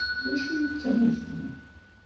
D acu i d tamusni?